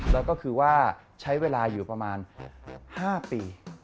แล้วก็คือว่าใช้เวลาอยู่ประมาณ๕ปี